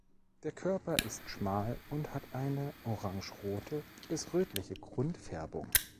Der Körper ist schmal und hat eine orangerote bis rötliche Grundfärbung.